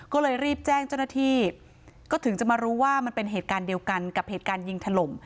ก็เลยรีบแจ้งเจ้าหน้าที่ก็ถึงจะมารู้ว่ามันเป็นเหตุการณ์เดียวกันกับเหตุการณ์ยิงถล่ม